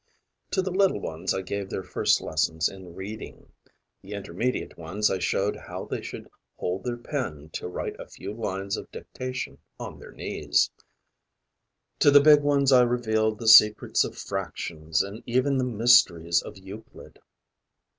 To the little ones I gave their first lessons in reading; the intermediate ones I showed how they should hold their pen to write a few lines of dictation on their knees; to the big ones I revealed the secrets of fractions and even the mysteries of Euclid.